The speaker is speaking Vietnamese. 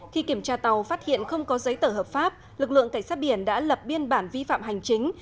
khi kiểm tra tàu phát hiện không có giấy tờ hợp pháp lực lượng cảnh sát biển đã lập biên bản vi phạm hành chính